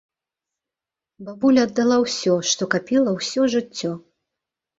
Бабуля аддала ўсё, што капіла ўсё жыццё.